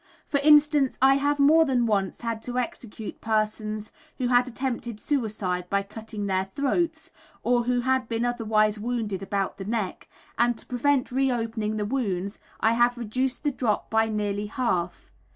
For instance, I have more than once had to execute persons who had attempted suicide by cutting their throats, or who had been otherwise wounded about the neck, and to prevent re opening the wounds I have reduced the drop by nearly half.